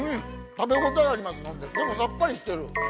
◆食べ応えがあります、◆さっぱりしてる。